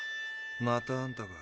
またあんたか。